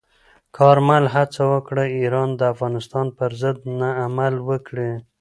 کارمل هڅه وکړه، ایران د افغانستان پر ضد نه عمل وکړي.